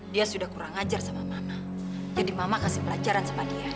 dia sudah kurang ajar sama mama jadi mama kasih pelajaran sama dia